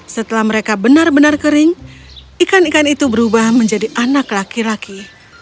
setelah mereka benar benar kering ikan ikan itu berubah menjadi anak laki laki